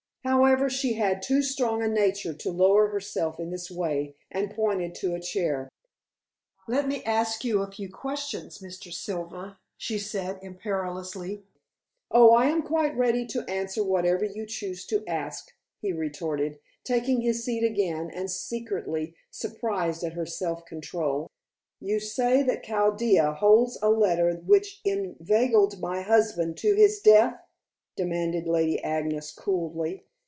However, she had too strong a nature to lower herself in this way, and pointed to a chair. "Let me ask you a few questions, Mr. Silver," she said imperiously. "Oh, I am quite ready to answer whatever you choose to ask," he retorted, taking his seat again and secretly surprised at her self control. "You say that Chaldea holds a letter which inveigled my husband to his death?" demanded Lady Agnes coolly.